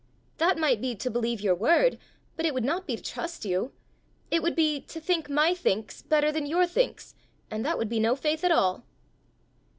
That might be to believe your word, but it would not be to trust you. It would be to think my thinks better than your thinks, and that would be no faith at all."